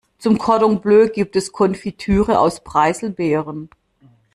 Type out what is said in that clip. Zum Cordon Bleu gibt es Konfitüre aus Preiselbeeren.